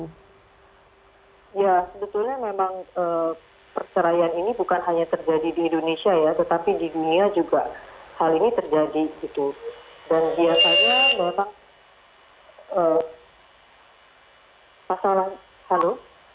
ya sebetulnya memang perceraian ini bukan hanya terjadi di indonesia ya tetapi di dunia juga hal ini terjadi